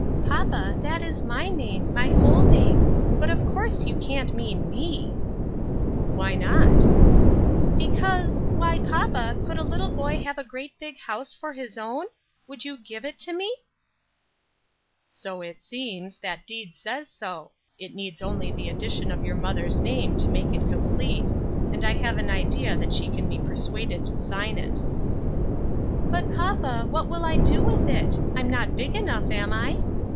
" Papa, that is my name ; my whole name ; but of course you can't mean me !"" Why not ?"" Because — why, papa, could a little boy have a great big house for his own ? Would you give it to me ?" "So it seems. That deed says so; it needs only the addition of your mother's name to make it complete, and I have an idea that she can be persuaded to sign it." " But, papa, what will I do with it ? I'm not big enough, am I